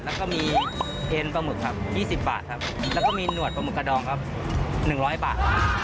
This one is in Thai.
แล้วก็มีเอ็นปลาหมึกครับ๒๐บาทครับแล้วก็มีหนวดปลาหึกกระดองครับ๑๐๐บาท